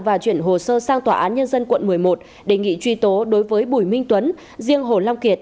và chuyển hồ sơ sang tòa án nhân dân quận một mươi một đề nghị truy tố đối với bùi minh tuấn riêng hồ long kiệt